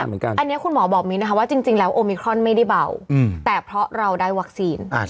อันนี้คุณหมอบอกนี้นะคะว่าจริงแล้วโอมิครอนไม่ได้เบาแต่เพราะเราได้วัคซีน